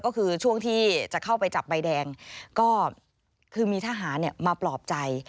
ก็คือช่วงที่จะเข้าไปจับใบแดงก็คือมีทหารมาปลอบใจ